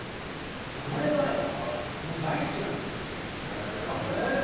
これがね大好きなんですよ。